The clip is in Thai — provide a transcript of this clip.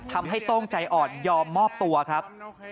โต้งใจอ่อนยอมมอบตัวครับ